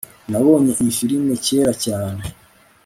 nabonye iyi firime kera cyane